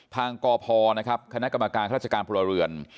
กพนะครับคณะกรรมการราชการพลเรือน